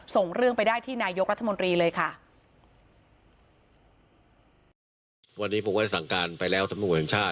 ส่งเรื่องไปได้ที่นายกรัฐมนตรีเลยค่ะ